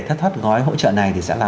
thất thoát gói hỗ trợ này thì sẽ là